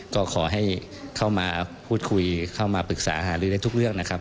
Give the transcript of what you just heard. ก็ขอให้เข้ามาพูดคุยเข้ามาปรึกษาหาลือได้ทุกเรื่องนะครับ